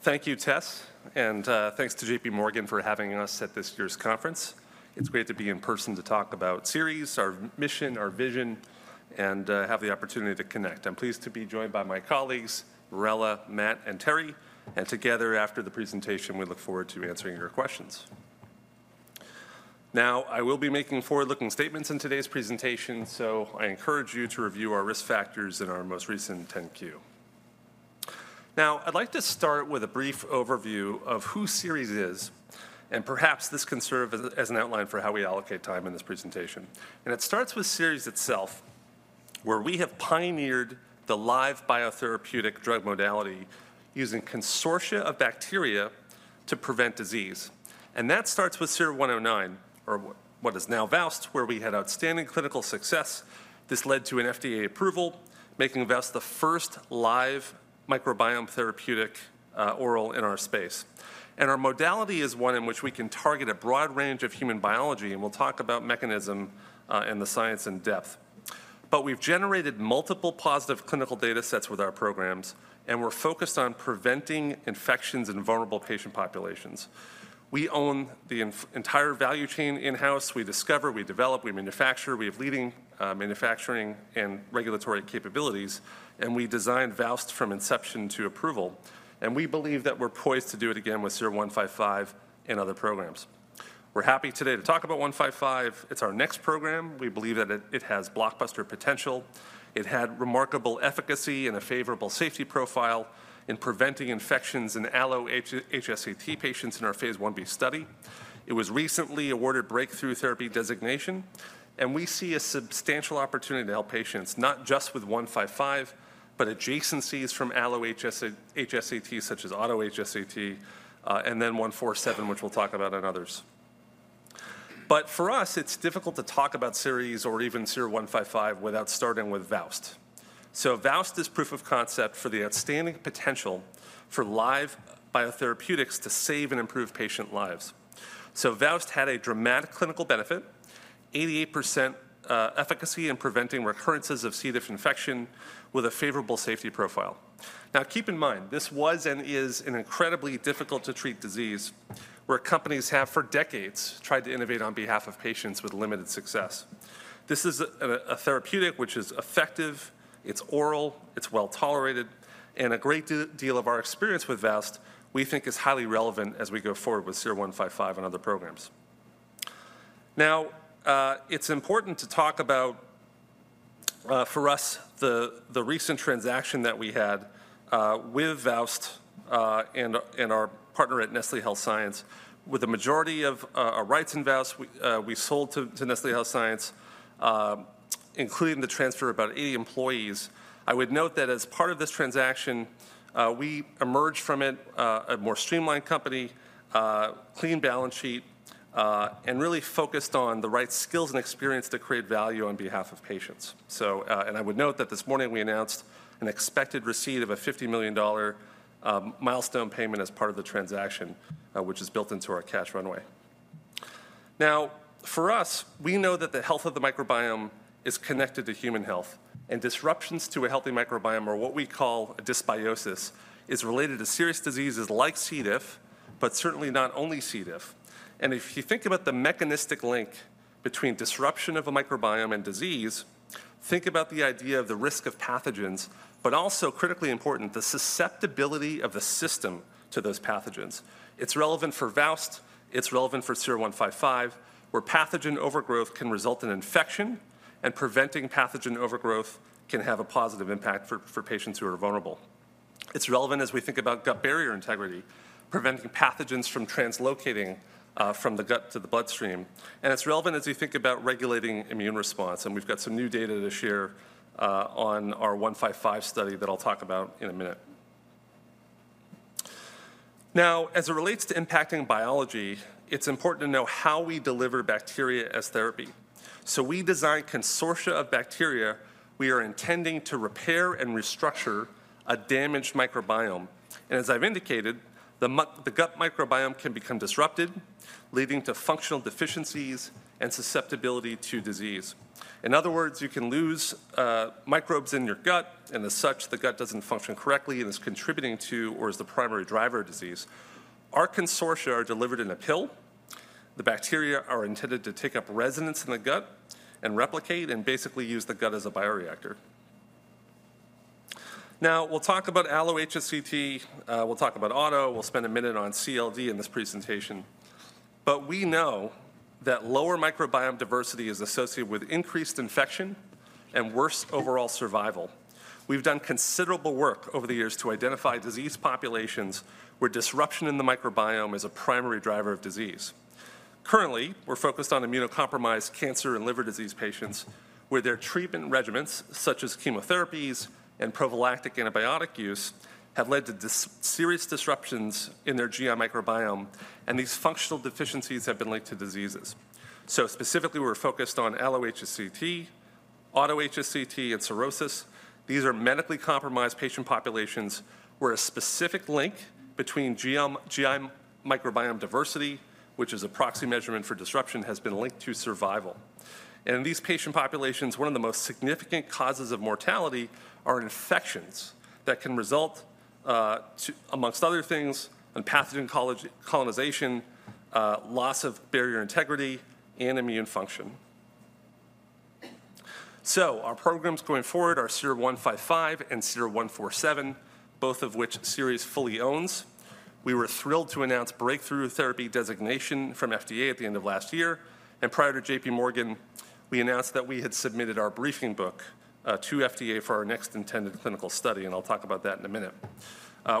Thank you, Tess, and thanks to J.P. Morgan for having us at this year's conference. It's great to be in person to talk about Seres, our mission, our vision, and have the opportunity to connect. I'm pleased to be joined by my colleagues, Marella, Matt, and Terri, and together after the presentation, we look forward to answering your questions. Now, I will be making forward-looking statements in today's presentation, so I encourage you to review our risk factors in our most recent 10-Q. Now, I'd like to start with a brief overview of who Seres is, and perhaps this can serve as an outline for how we allocate time in this presentation. And it starts with Seres itself, where we have pioneered the live biotherapeutic drug modality using a consortia of bacteria to prevent disease. That starts with SER-109, or what is now VOWST, where we had outstanding clinical success. This led to an FDA approval, making VOWST the first live microbiome therapeutic oral in our space. Our modality is one in which we can target a broad range of human biology, and we'll talk about mechanism and the science in depth. We've generated multiple positive clinical data sets with our programs, and we're focused on preventing infections in vulnerable patient populations. We own the entire value chain in-house. We discover, we develop, we manufacture. We have leading manufacturing and regulatory capabilities, and we designed VOWST from inception to approval. We believe that we're poised to do it again with SER-155 and other programs. We're happy today to talk about 155. It's our next program. We believe that it has blockbuster potential. It had remarkable efficacy and a favorable safety profile in preventing infections in Allo-HSCT patients in our phase 1b study. It was recently awarded Breakthrough Therapy Designation, and we see a substantial opportunity to help patients not just with 155, but adjacencies from Allo-HSCT such as Auto-HSCT, and then 147, which we'll talk about in others. But for us, it's difficult to talk about Seres or even SER-155 without starting with VOWST. So VOWST is proof of concept for the outstanding potential for live biotherapeutics to save and improve patient lives. So VOWST had a dramatic clinical benefit, 88% efficacy in preventing recurrences of C. diff infection with a favorable safety profile. Now, keep in mind, this was and is an incredibly difficult-to-treat disease where companies have for decades tried to innovate on behalf of patients with limited success. This is a therapeutic which is effective, it's oral, it's well tolerated, and a great deal of our experience with VOWST we think is highly relevant as we go forward with SER-155 and other programs. Now, it's important to talk about, for us, the recent transaction that we had with VOWST and our partner at Nestlé Health Science. With the majority of our rights in VOWST, we sold to Nestlé Health Science, including the transfer of about 80 employees. I would note that as part of this transaction, we emerged from it a more streamlined company, clean balance sheet, and really focused on the right skills and experience to create value on behalf of patients. I would note that this morning we announced an expected receipt of a $50 million milestone payment as part of the transaction, which is built into our cash runway. Now, for us, we know that the health of the microbiome is connected to human health, and disruptions to a healthy microbiome, or what we call a dysbiosis, is related to serious diseases like C. diff, but certainly not only C. diff. And if you think about the mechanistic link between disruption of a microbiome and disease, think about the idea of the risk of pathogens, but also critically important, the susceptibility of the system to those pathogens. It's relevant for VOWST. It's relevant for SER-155, where pathogen overgrowth can result in infection, and preventing pathogen overgrowth can have a positive impact for patients who are vulnerable. It's relevant as we think about gut barrier integrity, preventing pathogens from translocating from the gut to the bloodstream. It's relevant as we think about regulating immune response, and we've got some new data to share on our 155 study that I'll talk about in a minute. Now, as it relates to impacting biology, it's important to know how we deliver bacteria as therapy. So we designed a consortia of bacteria we are intending to repair and restructure a damaged microbiome. As I've indicated, the gut microbiome can become disrupted, leading to functional deficiencies and susceptibility to disease. In other words, you can lose microbes in your gut, and as such, the gut doesn't function correctly and is contributing to or is the primary driver of disease. Our consortia are delivered in a pill. The bacteria are intended to take up residence in the gut and replicate and basically use the gut as a bioreactor. Now, we'll talk about allo-HSCT. We'll talk about auto-HSCT. We'll spend a minute on CLD in this presentation, but we know that lower microbiome diversity is associated with increased infection and worse overall survival. We've done considerable work over the years to identify disease populations where disruption in the microbiome is a primary driver of disease. Currently, we're focused on immunocompromised cancer and liver disease patients where their treatment regimens, such as chemotherapies and prophylactic antibiotic use, have led to serious disruptions in their GI microbiome, and these functional deficiencies have been linked to diseases, so specifically, we're focused on allo-HSCT, auto-HSCT, and cirrhosis. These are medically compromised patient populations where a specific link between GI microbiome diversity, which is a proxy measurement for disruption, has been linked to survival. In these patient populations, one of the most significant causes of mortality are infections that can result, among other things, in pathogen colonization, loss of barrier integrity, and immune function. Our programs going forward are SER-155 and SER-147, both of which Seres fully owns. We were thrilled to announce Breakthrough Therapy designation from FDA at the end of last year. Prior to J.P. Morgan, we announced that we had submitted our briefing book to FDA for our next intended clinical study, and I'll talk about that in a minute.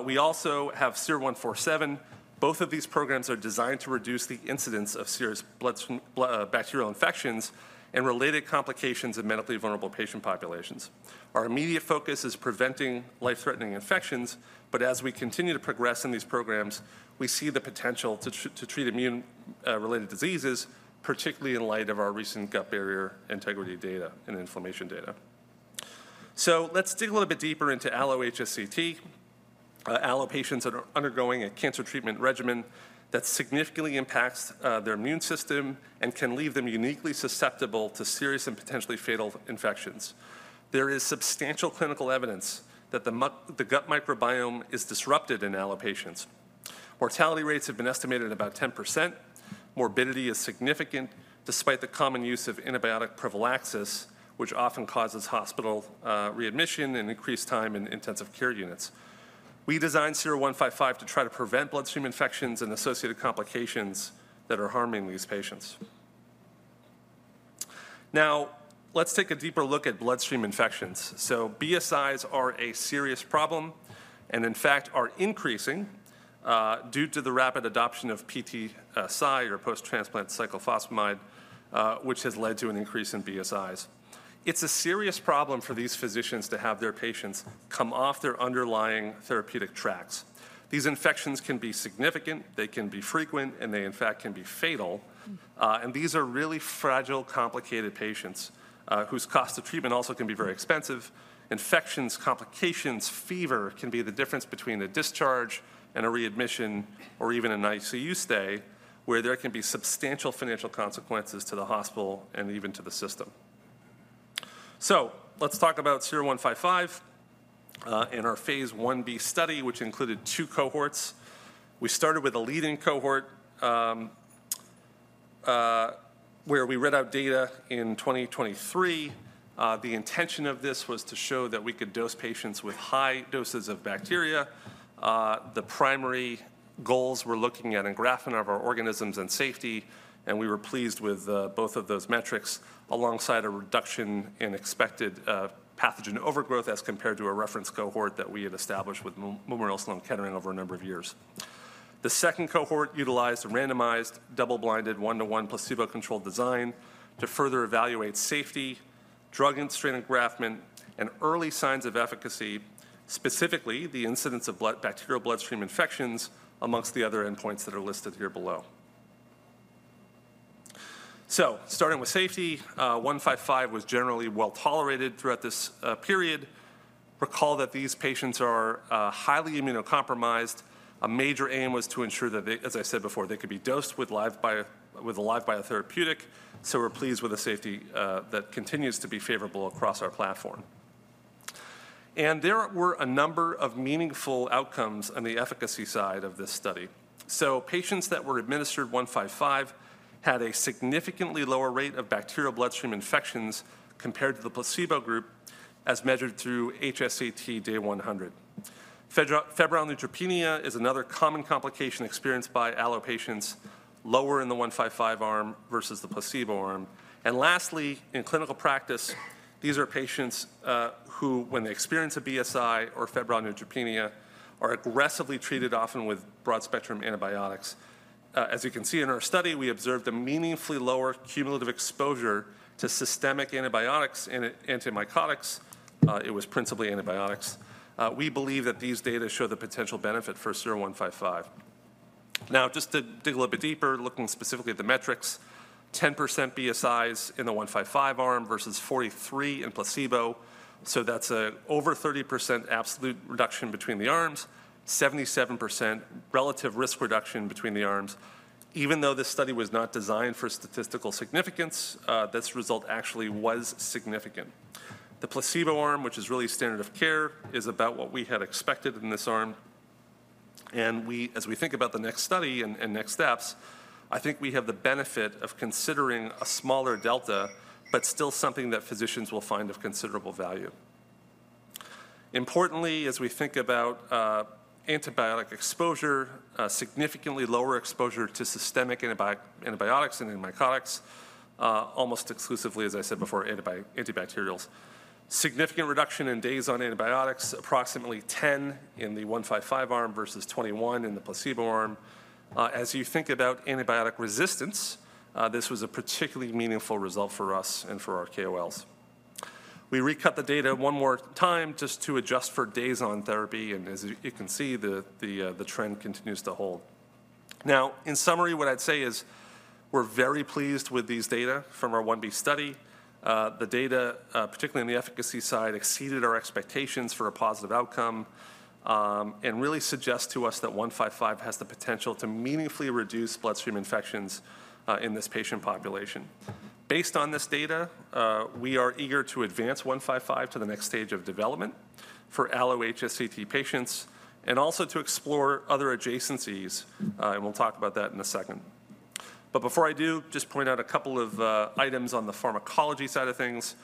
We also have SER-147. Both of these programs are designed to reduce the incidence of serious bacterial infections and related complications in medically vulnerable patient populations. Our immediate focus is preventing life-threatening infections, but as we continue to progress in these programs, we see the potential to treat immune-related diseases, particularly in light of our recent gut barrier integrity data and inflammation data, so let's dig a little bit deeper into Allo-HSCT, allo patients that are undergoing a cancer treatment regimen that significantly impacts their immune system and can leave them uniquely susceptible to serious and potentially fatal infections. There is substantial clinical evidence that the gut microbiome is disrupted in allo patients. Mortality rates have been estimated at about 10%. Morbidity is significant despite the common use of antibiotic prophylaxis, which often causes hospital readmission and increased time in intensive care units. We designed SER-155 to try to prevent bloodstream infections and associated complications that are harming these patients. Now, let's take a deeper look at bloodstream infections. BSIs are a serious problem and, in fact, are increasing due to the rapid adoption of PTCy, or post-transplant cyclophosphamide, which has led to an increase in BSIs. It's a serious problem for these physicians to have their patients come off their underlying therapeutic tracks. These infections can be significant, they can be frequent, and they, in fact, can be fatal. And these are really fragile, complicated patients whose cost of treatment also can be very expensive. Infections, complications, fever can be the difference between a discharge and a readmission or even an ICU stay where there can be substantial financial consequences to the hospital and even to the system. So let's talk about SER-155 in our phase 1b study, which included two cohorts. We started with a leading cohort where we read out data in 2023. The intention of this was to show that we could dose patients with high doses of bacteria. The primary goals were looking at engraftment of our organisms and safety, and we were pleased with both of those metrics alongside a reduction in expected pathogen overgrowth as compared to a reference cohort that we had established with Memorial Sloan Kettering over a number of years. The second cohort utilized a randomized double-blinded one-to-one placebo-controlled design to further evaluate safety, consortia engraftment, and early signs of efficacy, specifically the incidence of bacterial bloodstream infections among the other endpoints that are listed here below. Starting with safety, 155 was generally well tolerated throughout this period. Recall that these patients are highly immunocompromised. A major aim was to ensure that, as I said before, they could be dosed with a live biotherapeutic. We're pleased with the safety that continues to be favorable across our platform. There were a number of meaningful outcomes on the efficacy side of this study. Patients that were administered 155 had a significantly lower rate of bacterial bloodstream infections compared to the placebo group as measured through HSCT day 100. Febrile neutropenia is another common complication experienced by allo patients lower in the 155 arm versus the placebo arm. Lastly, in clinical practice, these are patients who, when they experience a BSI or febrile neutropenia, are aggressively treated often with broad-spectrum antibiotics. As you can see in our study, we observed a meaningfully lower cumulative exposure to systemic antibiotics and antimycotics. It was principally antibiotics. We believe that these data show the potential benefit for SER-155. Now, just to dig a little bit deeper, looking specifically at the metrics, 10% BSIs in the 155 arm versus 43% in placebo. So that's an over 30% absolute reduction between the arms, 77% relative risk reduction between the arms. Even though this study was not designed for statistical significance, this result actually was significant. The placebo arm, which is really standard of care, is about what we had expected in this arm. As we think about the next study and next steps, I think we have the benefit of considering a smaller delta, but still something that physicians will find of considerable value. Importantly, as we think about antibiotic exposure, significantly lower exposure to systemic antibiotics and antimycotics, almost exclusively, as I said before, antibacterials. Significant reduction in days on antibiotics, approximately 10 in the 155 arm versus 21 in the placebo arm. As you think about antibiotic resistance, this was a particularly meaningful result for us and for our KOLs. We recut the data one more time just to adjust for days on therapy, and as you can see, the trend continues to hold. Now, in summary, what I'd say is we're very pleased with these data from our 1B study. The data, particularly on the efficacy side, exceeded our expectations for a positive outcome and really suggests to us that SER-155 has the potential to meaningfully reduce bloodstream infections in this patient population. Based on this data, we are eager to advance SER-155 to the next stage of development for allo-HSCT patients and also to explore other adjacencies, and we'll talk about that in a second. But before I do, just point out a couple of items on the pharmacology side of things.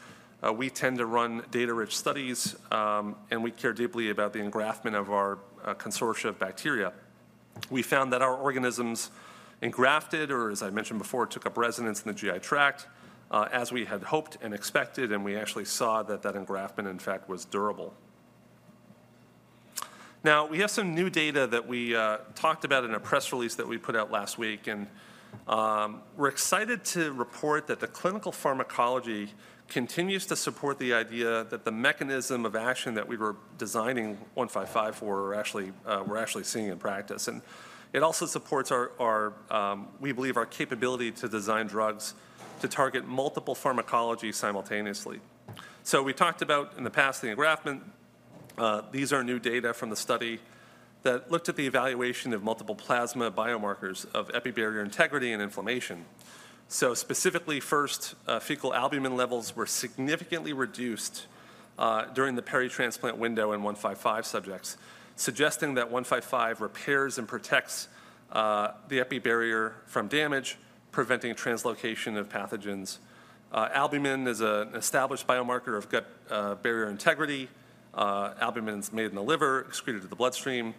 We tend to run data-rich studies, and we care deeply about the engraftment of our consortia of bacteria. We found that our organisms engrafted, or as I mentioned before, took up residence in the GI tract as we had hoped and expected, and we actually saw that that engraftment, in fact, was durable. Now, we have some new data that we talked about in a press release that we put out last week, and we're excited to report that the clinical pharmacology continues to support the idea that the mechanism of action that we were designing 155 for, we're actually seeing in practice, and it also supports our, we believe, our capability to design drugs to target multiple pharmacologies simultaneously. We talked about in the past the engraftment. These are new data from the study that looked at the evaluation of multiple plasma biomarkers of epithelial barrier integrity and inflammation. So specifically, first, fecal albumin levels were significantly reduced during the peritransplant window in 155 subjects, suggesting that 155 repairs and protects the epithelial barrier from damage, preventing translocation of pathogens. Albumin is an established biomarker of gut barrier integrity. Albumin is made in the liver, excreted to the bloodstream.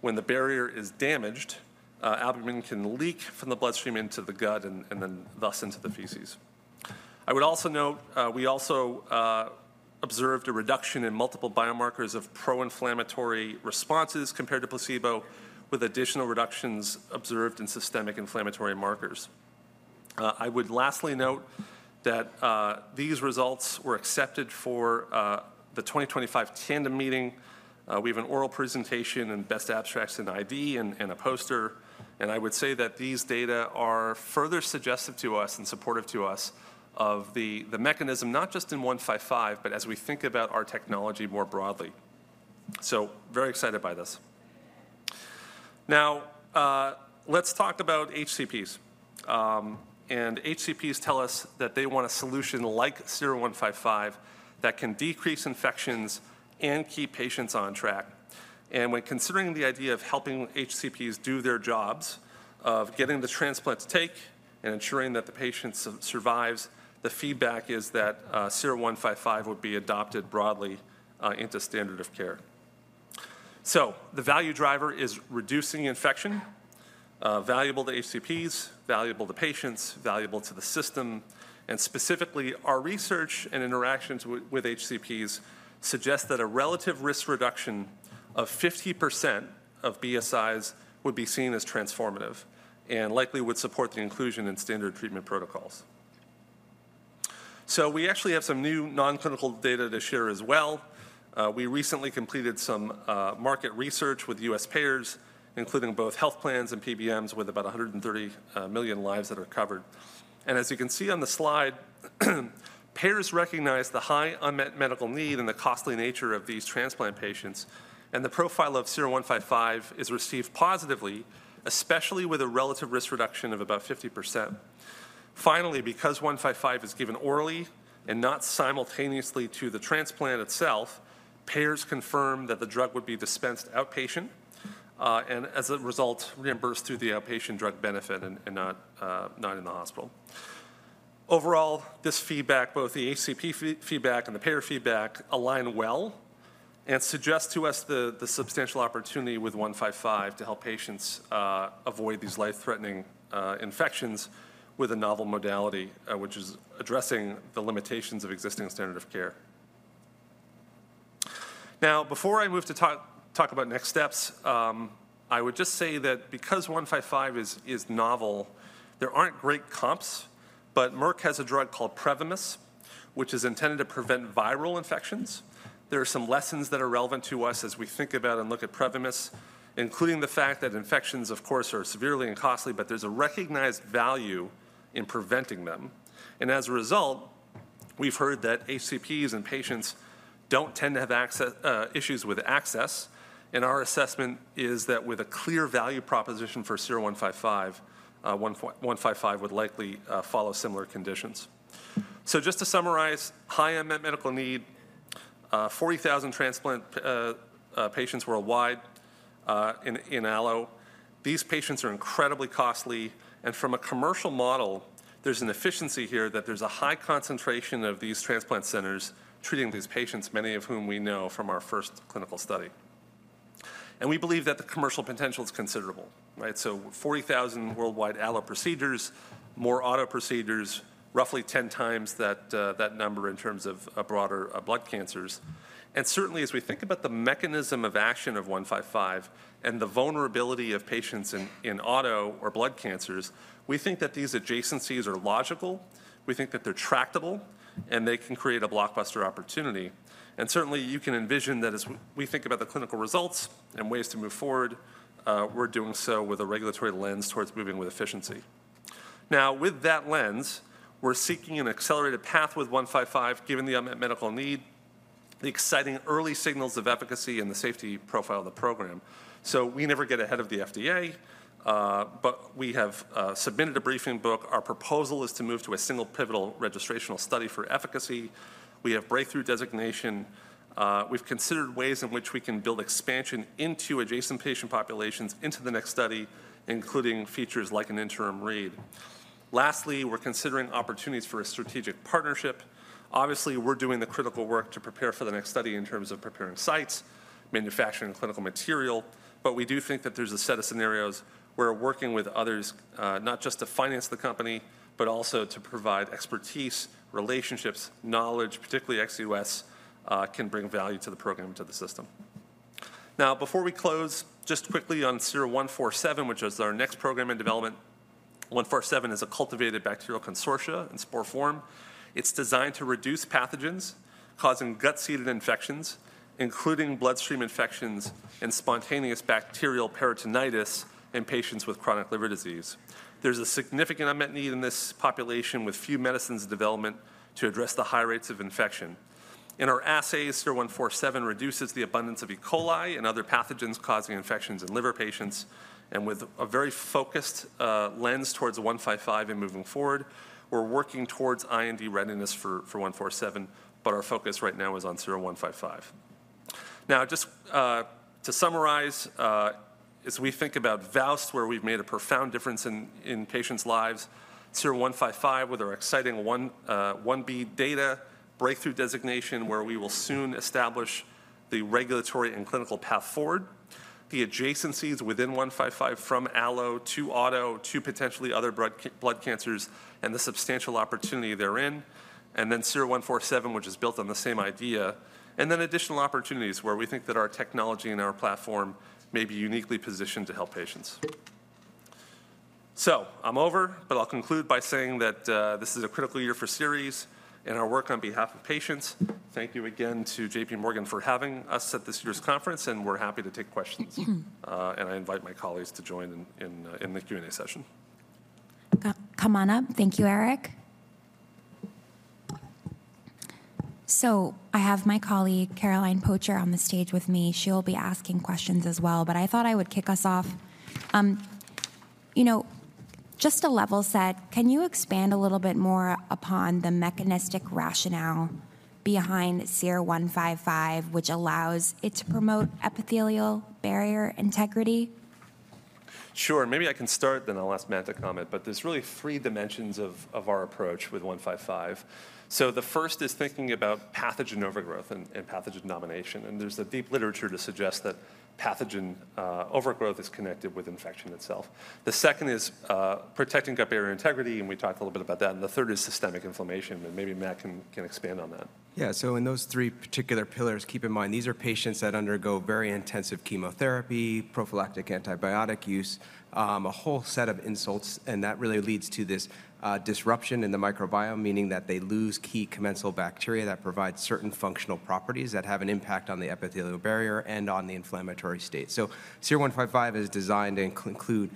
When the barrier is damaged, albumin can leak from the bloodstream into the gut and then thus into the feces. I would also note we also observed a reduction in multiple biomarkers of pro-inflammatory responses compared to placebo, with additional reductions observed in systemic inflammatory markers. I would lastly note that these results were accepted for the 2025 Tandem Meetings. We have an oral presentation and best abstract in ID and a poster. I would say that these data are further suggestive to us and supportive to us of the mechanism, not just in SER-155, but as we think about our technology more broadly. Very excited by this. Now, let's talk about HCPs. HCPs tell us that they want a solution like SER-155 that can decrease infections and keep patients on track. When considering the idea of helping HCPs do their jobs of getting the transplant to take and ensuring that the patient survives, the feedback is that SER-155 would be adopted broadly into standard of care. The value driver is reducing infection, valuable to HCPs, valuable to patients, valuable to the system. Specifically, our research and interactions with HCPs suggest that a relative risk reduction of 50% of BSIs would be seen as transformative and likely would support the inclusion in standard treatment protocols. We actually have some new non-clinical data to share as well. We recently completed some market research with U.S. payers, including both health plans and PBMs with about 130 million lives that are covered. As you can see on the slide, payers recognize the high unmet medical need and the costly nature of these transplant patients, and the profile of SER-155 is received positively, especially with a relative risk reduction of about 50%. Finally, because 155 is given orally and not simultaneously to the transplant itself, payers confirm that the drug would be dispensed outpatient and, as a result, reimbursed through the outpatient drug benefit and not in the hospital. Overall, this feedback, both the HCP feedback and the payer feedback, align well and suggest to us the substantial opportunity with 155 to help patients avoid these life-threatening infections with a novel modality, which is addressing the limitations of existing standard of care. Now, before I move to talk about next steps, I would just say that because 155 is novel, there aren't great comps, but Merck has a drug called Prevymis, which is intended to prevent viral infections. There are some lessons that are relevant to us as we think about and look at Prevymis, including the fact that infections, of course, are severely and costly, but there's a recognized value in preventing them, and as a result, we've heard that HCPs and patients don't tend to have issues with access. And our assessment is that with a clear value proposition for SER-155, 155 would likely follow similar conditions. So just to summarize, high unmet medical need, 40,000 transplant patients worldwide in allo. These patients are incredibly costly. And from a commercial model, there's an efficiency here that there's a high concentration of these transplant centers treating these patients, many of whom we know from our first clinical study. And we believe that the commercial potential is considerable, right? So 40,000 worldwide allo procedures, more auto procedures, roughly 10 times that number in terms of broader blood cancers. And certainly, as we think about the mechanism of action of 155 and the vulnerability of patients in auto or blood cancers, we think that these adjacencies are logical. We think that they're tractable, and they can create a blockbuster opportunity. Certainly, you can envision that as we think about the clinical results and ways to move forward, we're doing so with a regulatory lens towards moving with efficiency. Now, with that lens, we're seeking an accelerated path with SER-155 given the unmet medical need, the exciting early signals of efficacy, and the safety profile of the program. We never get ahead of the FDA, but we have submitted a briefing book. Our proposal is to move to a single pivotal registrational study for efficacy. We have breakthrough designation. We've considered ways in which we can build expansion into adjacent patient populations into the next study, including features like an interim read. Lastly, we're considering opportunities for a strategic partnership. Obviously, we're doing the critical work to prepare for the next study in terms of preparing sites, manufacturing, and clinical material, but we do think that there's a set of scenarios where working with others, not just to finance the company, but also to provide expertise, relationships, knowledge, particularly ex-US, can bring value to the program and to the system. Now, before we close, just quickly on SER-147, which is our next program in development. 147 is a cultivated bacterial consortia in spore form. It's designed to reduce pathogens causing gut-seated infections, including bloodstream infections and spontaneous bacterial peritonitis in patients with chronic liver disease. There's a significant unmet need in this population with few medicines in development to address the high rates of infection. In our assays, SER-147 reduces the abundance of E. coli and other pathogens causing infections in liver patients. And with a very focused lens towards SER-155 and moving forward, we're working towards IND readiness for SER-147, but our focus right now is on SER-155. Now, just to summarize, as we think about VOWST, where we've made a profound difference in patients' lives, SER-155, with our exciting 1b data breakthrough designation, where we will soon establish the regulatory and clinical path forward, the adjacencies within SER-155 from allo to auto to potentially other blood cancers and the substantial opportunity therein, and then SER-147, which is built on the same idea, and then additional opportunities where we think that our technology and our platform may be uniquely positioned to help patients. So I'm over, but I'll conclude by saying that this is a critical year for Seres and our work on behalf of patients. Thank you again to J.P. Morgan for having us at this year's conference, and we're happy to take questions. I invite my colleagues to join in the Q&A session. Great, thank you, Eric. I have my colleague, Caroline Pötsch-Hennig, on the stage with me. She will be asking questions as well, but I thought I would kick us off. Just to level set, can you expand a little bit more upon the mechanistic rationale behind SER-155, which allows it to promote epithelial barrier integrity? Sure. Maybe I can start, then I'll ask Matt to comment, but there's really three dimensions of our approach with 155. So the first is thinking about pathogen overgrowth and pathogen domination. And there's a deep literature to suggest that pathogen overgrowth is connected with infection itself. The second is protecting gut barrier integrity, and we talked a little bit about that. And the third is systemic inflammation, but maybe Matt can expand on that. Yeah. So in those three particular pillars, keep in mind, these are patients that undergo very intensive chemotherapy, prophylactic antibiotic use, a whole set of insults, and that really leads to this disruption in the microbiome, meaning that they lose key commensal bacteria that provide certain functional properties that have an impact on the epithelial barrier and on the inflammatory state. So SER-155 is designed to include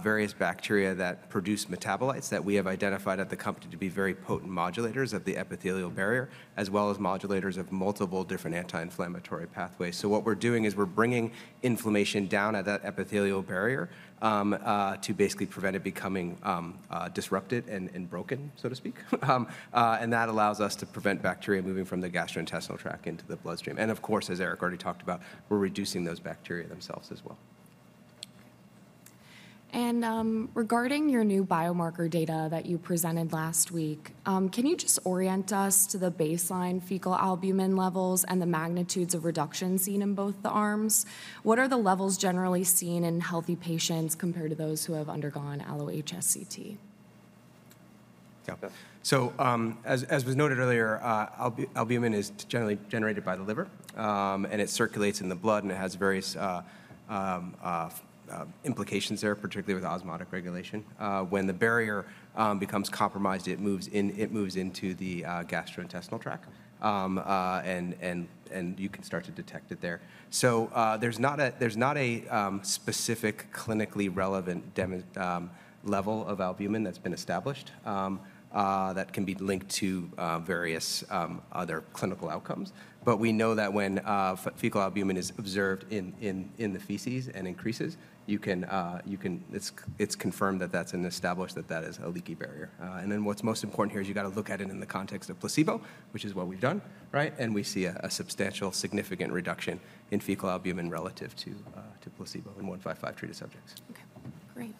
various bacteria that produce metabolites that we have identified at the company to be very potent modulators of the epithelial barrier, as well as modulators of multiple different anti-inflammatory pathways. So what we're doing is we're bringing inflammation down at that epithelial barrier to basically prevent it becoming disrupted and broken, so to speak. And that allows us to prevent bacteria moving from the gastrointestinal tract into the bloodstream. Of course, as Eric already talked about, we're reducing those bacteria themselves as well. Regarding your new biomarker data that you presented last week, can you just orient us to the baseline fecal albumin levels and the magnitudes of reduction seen in both the arms? What are the levels generally seen in healthy patients compared to those who have undergone allo-HSCT? Yeah. So as was noted earlier, albumin is generally generated by the liver, and it circulates in the blood, and it has various implications there, particularly with osmotic regulation. When the barrier becomes compromised, it moves into the gastrointestinal tract, and you can start to detect it there. So there's not a specific clinically relevant level of albumin that's been established that can be linked to various other clinical outcomes. But we know that when fecal albumin is observed in the feces and increases, you can confirm that that's established that that is a leaky barrier. And then what's most important here is you got to look at it in the context of placebo, which is what we've done, right? And we see a substantial, significant reduction in fecal albumin relative to placebo in 155 treated subjects. Okay. Great.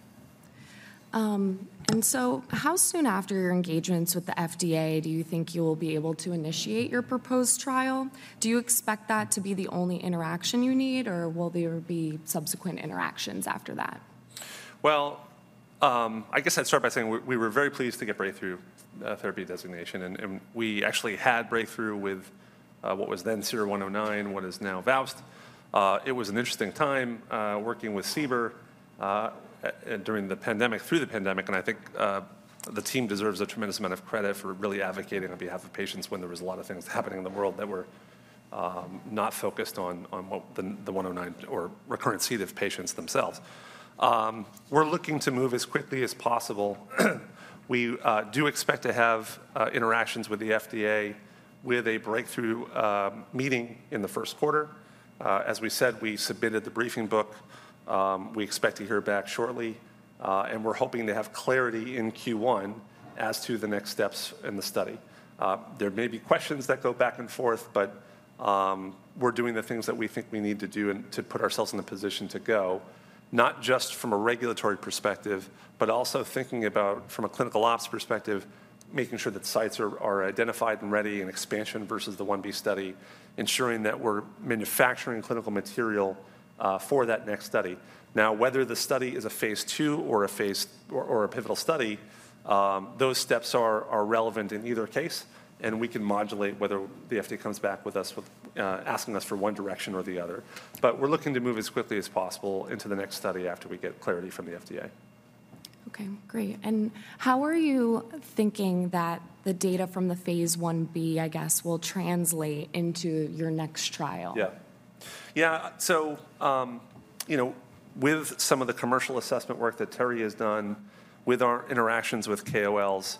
And so how soon after your engagements with the FDA do you think you'll be able to initiate your proposed trial? Do you expect that to be the only interaction you need, or will there be subsequent interactions after that? I guess I'd start by saying we were very pleased to get breakthrough therapy designation, and we actually had breakthrough with what was then SER-109, what is now VOWST. It was an interesting time working with CBER during the pandemic, through the pandemic, and I think the team deserves a tremendous amount of credit for really advocating on behalf of patients when there were a lot of things happening in the world that were not focused on the 109 or recurrent C. diff patients themselves. We're looking to move as quickly as possible. We do expect to have interactions with the FDA with a breakthrough meeting in the first quarter. As we said, we submitted the briefing book. We expect to hear back shortly, and we're hoping to have clarity in Q1 as to the next steps in the study. There may be questions that go back and forth, but we're doing the things that we think we need to do and to put ourselves in the position to go, not just from a regulatory perspective, but also thinking about, from a clinical ops perspective, making sure that sites are identified and ready and expansion versus the 1B study, ensuring that we're manufacturing clinical material for that next study. Now, whether the study is a phase two or a pivotal study, those steps are relevant in either case, and we can modulate whether the FDA comes back with us asking us for one direction or the other. But we're looking to move as quickly as possible into the next study after we get clarity from the FDA. Okay. Great. And how are you thinking that the data from the phase 1B, I guess, will translate into your next trial? Yeah. Yeah. So with some of the commercial assessment work that Terri has done with our interactions with KOLs,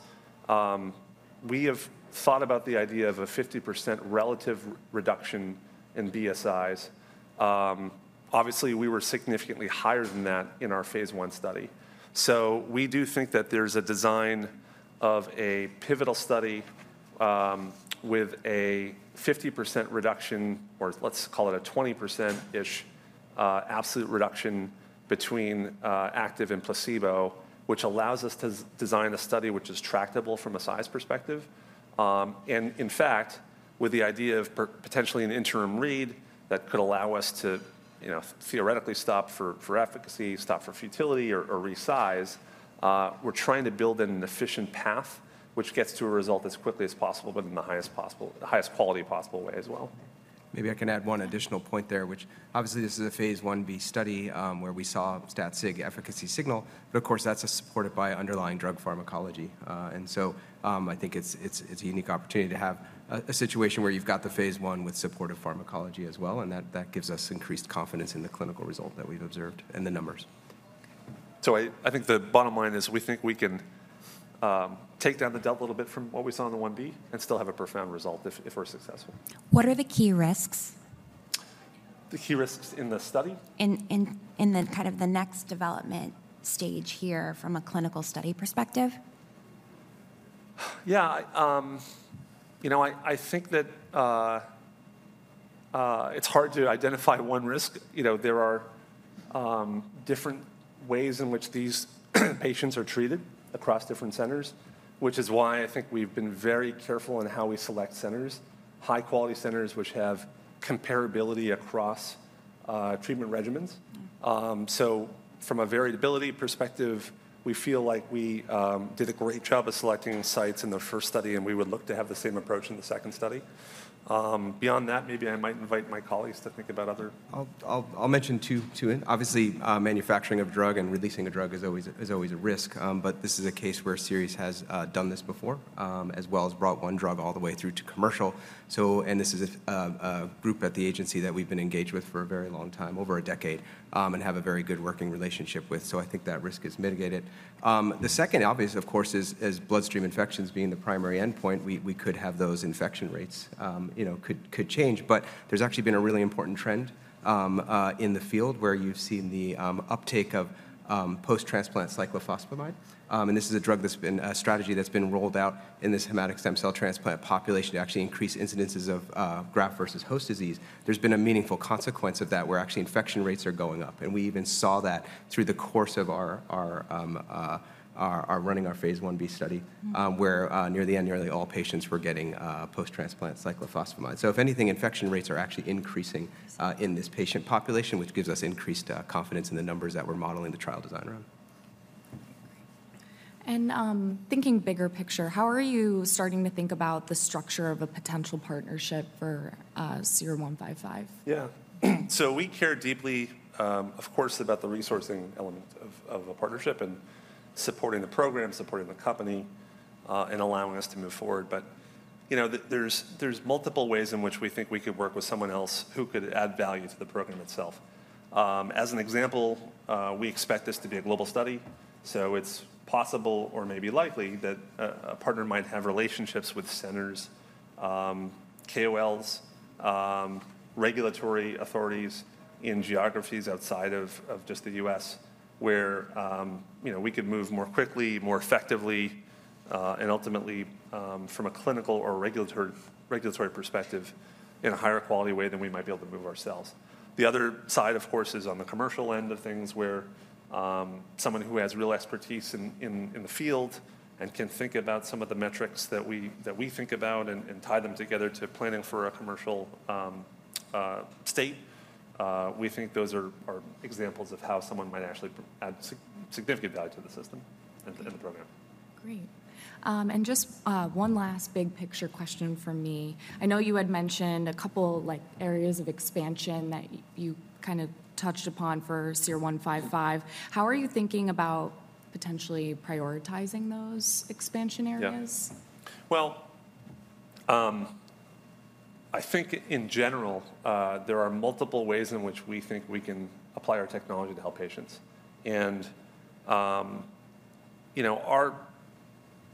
we have thought about the idea of a 50% relative reduction in BSIs. Obviously, we were significantly higher than that in our phase one study. So we do think that there's a design of a pivotal study with a 50% reduction, or let's call it a 20%-ish absolute reduction between active and placebo, which allows us to design a study which is tractable from a size perspective. And in fact, with the idea of potentially an interim read that could allow us to theoretically stop for efficacy, stop for futility, or resize, we're trying to build an efficient path which gets to a result as quickly as possible, but in the highest quality possible way as well. Maybe I can add one additional point there, which obviously this is a phase 1B study where we saw stat-sig efficacy signal, but of course, that's supported by underlying drug pharmacology, and so I think it's a unique opportunity to have a situation where you've got the phase one with supportive pharmacology as well, and that gives us increased confidence in the clinical result that we've observed and the numbers. So I think the bottom line is we think we can take down the delta a little bit from what we saw in the 1b and still have a profound result if we're successful. What are the key risks? The key risks in the study? In kind of the next development stage here from a clinical study perspective? Yeah. You know, I think that it's hard to identify one risk. There are different ways in which these patients are treated across different centers, which is why I think we've been very careful in how we select centers, high-quality centers which have comparability across treatment regimens. So from a variability perspective, we feel like we did a great job of selecting sites in the first study, and we would look to have the same approach in the second study. Beyond that, maybe I might invite my colleagues to think about other. I'll mention two in. Obviously, manufacturing of a drug and releasing a drug is always a risk, but this is a case where Seres has done this before, as well as brought one drug all the way through to commercial. And this is a group at the agency that we've been engaged with for a very long time, over a decade, and have a very good working relationship with. So I think that risk is mitigated. The second obvious, of course, is bloodstream infections being the primary endpoint. We could have those infection rates change, but there's actually been a really important trend in the field where you've seen the uptake of post-transplant cyclophosphamide. And this is a drug that's been a strategy that's been rolled out in this hematopoietic stem cell transplant population to actually increase incidences of graft versus host disease. There's been a meaningful consequence of that where actually infection rates are going up. And we even saw that through the course of our running our phase 1b study where near the end, nearly all patients were getting post-transplant cyclophosphamide. So if anything, infection rates are actually increasing in this patient population, which gives us increased confidence in the numbers that we're modeling the trial design around. Thinking bigger picture, how are you starting to think about the structure of a potential partnership for SER-155? Yeah. So we care deeply, of course, about the resourcing element of a partnership and supporting the program, supporting the company, and allowing us to move forward. But there's multiple ways in which we think we could work with someone else who could add value to the program itself. As an example, we expect this to be a global study. So it's possible or maybe likely that a partner might have relationships with centers, KOLs, regulatory authorities in geographies outside of just the U.S. where we could move more quickly, more effectively, and ultimately from a clinical or regulatory perspective in a higher quality way than we might be able to move ourselves. The other side, of course, is on the commercial end of things where someone who has real expertise in the field and can think about some of the metrics that we think about and tie them together to planning for a commercial state. We think those are examples of how someone might actually add significant value to the system and the program. Great. And just one last big picture question from me. I know you had mentioned a couple areas of expansion that you kind of touched upon for SER-155. How are you thinking about potentially prioritizing those expansion areas? Yeah. Well, I think in general, there are multiple ways in which we think we can apply our technology to help patients. And our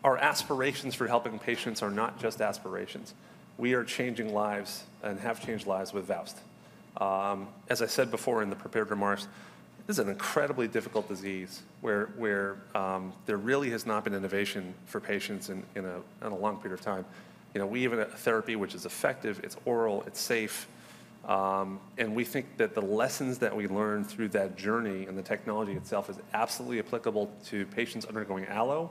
aspirations for helping patients are not just aspirations. We are changing lives and have changed lives with VOWST. As I said before in the prepared remarks, this is an incredibly difficult disease where there really has not been innovation for patients in a long period of time. We even have therapy which is effective. It's oral. It's safe. And we think that the lessons that we learned through that journey and the technology itself is absolutely applicable to patients undergoing Allo-HSCT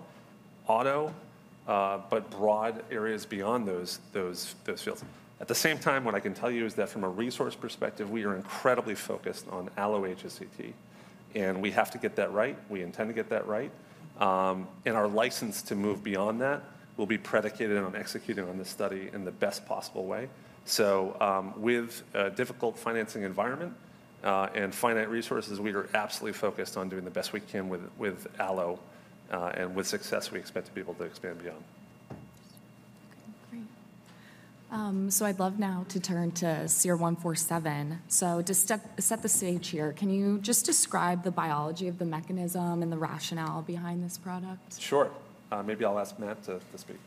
auto-HSCT, but broad areas beyond those fields. At the same time, what I can tell you is that from a resource perspective, we are incredibly focused on allo-HSCT, and we have to get that right. We intend to get that right. And our license to move beyond that will be predicated on executing on this study in the best possible way. So with a difficult financing environment and finite resources, we are absolutely focused on doing the best we can with allo and with success we expect to be able to expand beyond. Okay. Great. So I'd love now to turn to SER-147. So to set the stage here, can you just describe the biology of the mechanism and the rationale behind this product? Sure. Maybe I'll ask Matt to speak.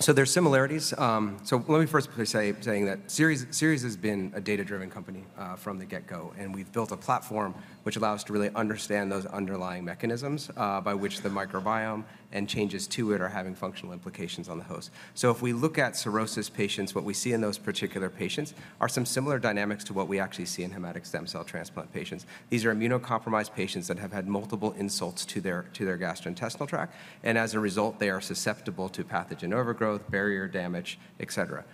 Yeah. So there's similarities. So let me first say that Seres has been a data-driven company from the get-go, and we've built a platform which allows us to really understand those underlying mechanisms by which the microbiome and changes to it are having functional implications on the host. So if we look at cirrhosis patients, what we see in those particular patients are some similar dynamics to what we actually see in hematopoietic stem cell transplant patients. These are immunocompromised patients that have had multiple insults to their gastrointestinal tract. And as a result, they are susceptible to pathogen overgrowth, barrier damage, etc.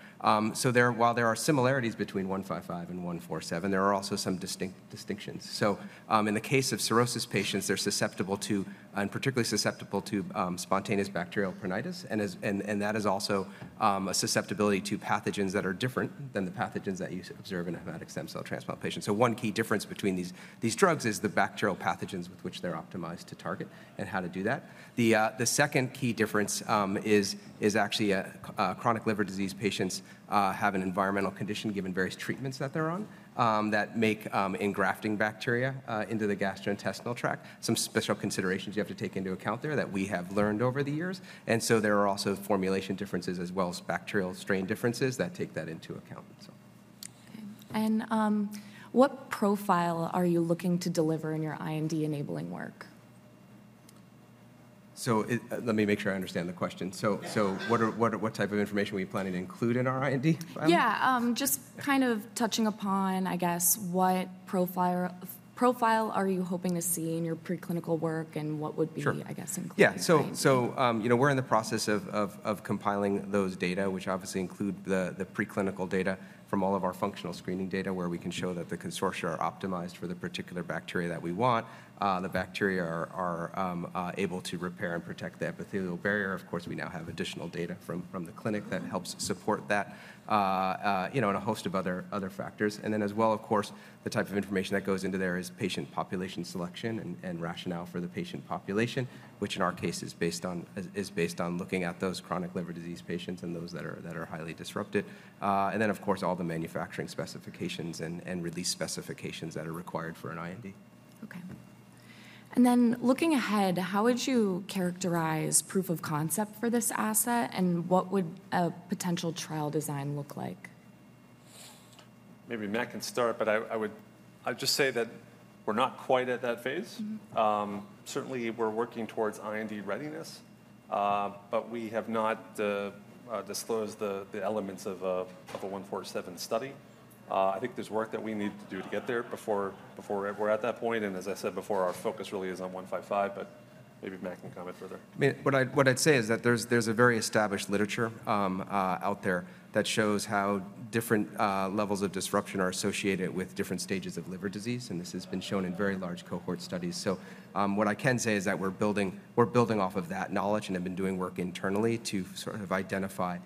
So while there are similarities between 155 and 147, there are also some distinctions. In the case of cirrhosis patients, they're susceptible to and particularly susceptible to spontaneous bacterial peritonitis, and that is also a susceptibility to pathogens that are different than the pathogens that you observe in hematopoietic stem cell transplant patients. One key difference between these drugs is the bacterial pathogens with which they're optimized to target and how to do that. The second key difference is actually chronic liver disease patients have an environmental condition given various treatments that they're on that make engrafting bacteria into the gastrointestinal tract. Some special considerations you have to take into account there that we have learned over the years. And so there are also formulation differences as well as bacterial strain differences that take that into account. Okay. And what profile are you looking to deliver in your IND enabling work? Let me make sure I understand the question. What type of information are we planning to include in our IND? Yeah. Just kind of touching upon, I guess, what profile are you hoping to see in your preclinical work and what would be, I guess, included? Sure. Yeah. So we're in the process of compiling those data, which obviously include the preclinical data from all of our functional screening data where we can show that the consortia are optimized for the particular bacteria that we want. The bacteria are able to repair and protect the epithelial barrier. Of course, we now have additional data from the clinic that helps support that and a host of other factors. And then as well, of course, the type of information that goes into there is patient population selection and rationale for the patient population, which in our case is based on looking at those chronic liver disease patients and those that are highly disrupted. And then, of course, all the manufacturing specifications and release specifications that are required for an IND. Okay, and then looking ahead, how would you characterize proof of concept for this asset and what would a potential trial design look like? Maybe Matt can start, but I would just say that we're not quite at that phase. Certainly, we're working towards IND readiness, but we have not disclosed the elements of a SER-147 study. I think there's work that we need to do to get there before we're at that point, and as I said before, our focus really is on SER-155, but maybe Matt can comment further. What I'd say is that there's a very established literature out there that shows how different levels of disruption are associated with different stages of liver disease, and this has been shown in very large cohort studies. So what I can say is that we're building off of that knowledge and have been doing work internally to sort of identify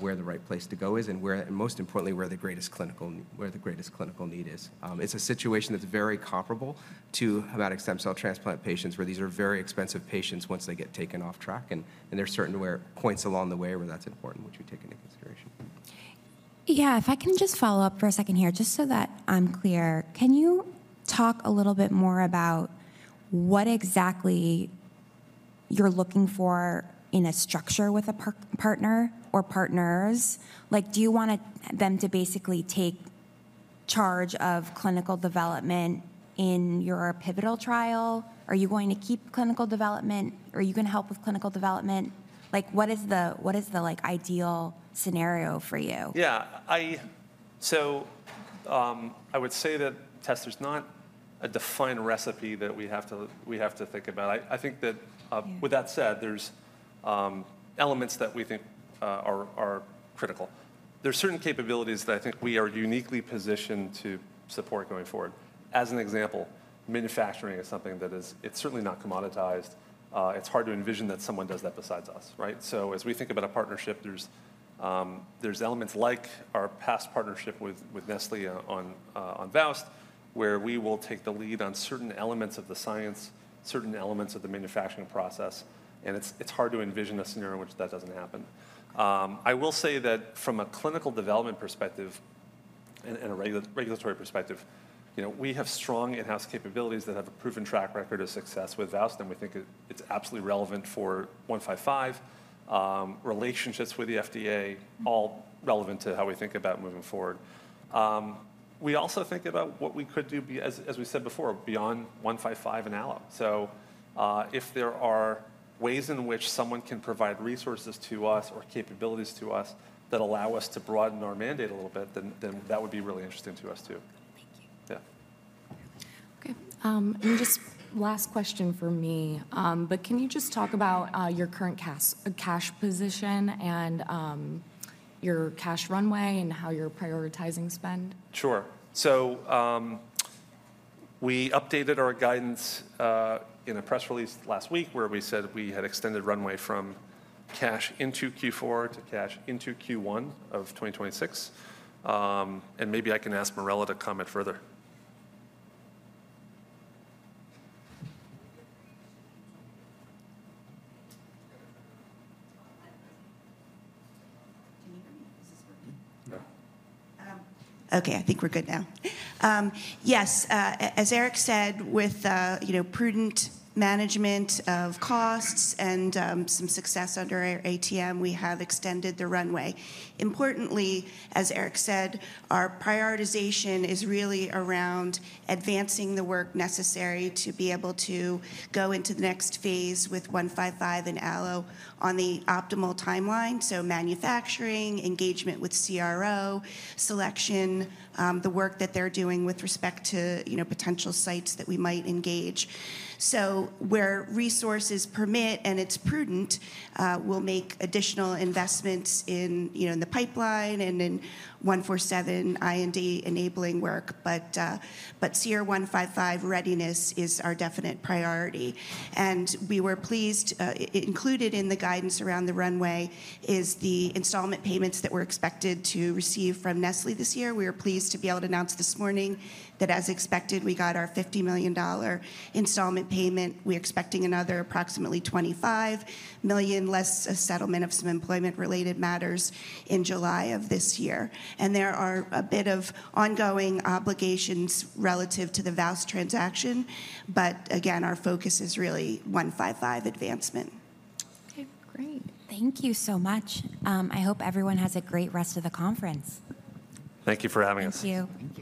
where the right place to go is and most importantly, where the greatest clinical need is. It's a situation that's very comparable to hematopoietic stem cell transplant patients where these are very expensive patients once they get taken off track, and there are certain points along the way where that's important which we take into consideration. Yeah. If I can just follow up for a second here, just so that I'm clear, can you talk a little bit more about what exactly you're looking for in a structure with a partner or partners? Do you want them to basically take charge of clinical development in your pivotal trial? Are you going to keep clinical development? Are you going to help with clinical development? What is the ideal scenario for you? Yeah. So I would say that, Tess. There's not a defined recipe that we have to think about. I think that with that said, there's elements that we think are critical. There are certain capabilities that I think we are uniquely positioned to support going forward. As an example, manufacturing is something that is, it's certainly not commoditized. It's hard to envision that someone does that besides us, right? So as we think about a partnership, there's elements like our past partnership with Nestlé on VOWST where we will take the lead on certain elements of the science, certain elements of the manufacturing process, and it's hard to envision a scenario in which that doesn't happen. I will say that from a clinical development perspective and a regulatory perspective, we have strong in-house capabilities that have a proven track record of success with VOWST, and we think it's absolutely relevant for 155, relationships with the FDA, all relevant to how we think about moving forward. We also think about what we could do, as we said before, beyond 155 and allo. So if there are ways in which someone can provide resources to us or capabilities to us that allow us to broaden our mandate a little bit, then that would be really interesting to us too. Thank you. Yeah. Okay. And just last question for me, but can you just talk about your current cash position and your cash runway and how you're prioritizing spend? Sure, so we updated our guidance in a press release last week where we said we had extended runway from cash into Q4 to cash into Q1 of 2026, and maybe I can ask Marella to comment further. Can you hear me? Is this working? No. Okay. I think we're good now. Yes. As Eric said, with prudent management of costs and some success under our ATM, we have extended the runway. Importantly, as Eric said, our prioritization is really around advancing the work necessary to be able to go into the next phase with 155 and allo on the optimal timeline. So manufacturing, engagement with CRO, selection, the work that they're doing with respect to potential sites that we might engage. So where resources permit and it's prudent, we'll make additional investments in the pipeline and in 147 IND enabling work, but SER-155 readiness is our definite priority. And we were pleased. Included in the guidance around the runway is the installment payments that we're expected to receive from Nestlé this year. We are pleased to be able to announce this morning that, as expected, we got our $50 million installment payment. We are expecting another approximately $25 million, less a settlement of some employment-related matters in July of this year, and there are a bit of ongoing obligations relative to the VOWST transaction, but again, our focus is really 155 advancement. Okay. Great. Thank you so much. I hope everyone has a great rest of the conference. Thank you for having us. Thank you.